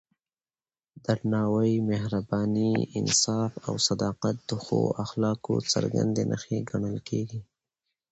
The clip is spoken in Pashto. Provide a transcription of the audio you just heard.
درناوی، مهرباني، انصاف او صداقت د ښو اخلاقو څرګندې نښې ګڼل کېږي.